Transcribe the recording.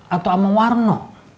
atau sama warno